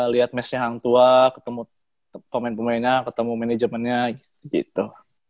lihat mesnya hang tua ketemu pemain pemainnya ketemu manajemennya gitu